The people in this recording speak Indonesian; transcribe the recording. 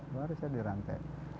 baru saya dirantai